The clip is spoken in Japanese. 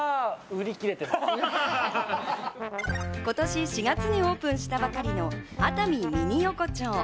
今年４月にオープンしたばかりの熱海ミニ横丁。